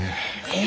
え。